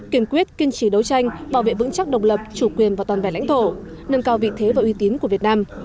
kiên quyết kiên trì đấu tranh bảo vệ vững chắc độc lập chủ quyền và toàn vẻ lãnh thổ nâng cao vị thế và uy tín của việt nam